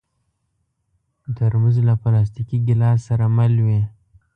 ترموز له پلاستيکي ګیلاس سره مل وي.